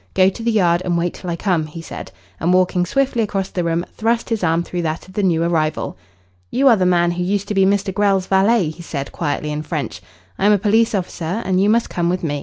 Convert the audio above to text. Go to the Yard and wait till I come," he said, and, walking swiftly across the room, thrust his arm through that of the new arrival. "You are the man who used to be Mr. Grell's valet," he said quietly in French. "I am a police officer, and you must come with me."